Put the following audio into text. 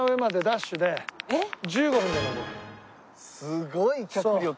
すごい脚力。